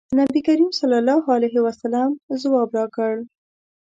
نبي کریم صلی الله علیه وسلم ځواب راکړ.